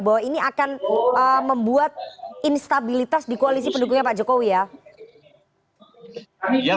bahwa ini akan membuat instabilitas di koalisi pendukungnya pak jokowi ya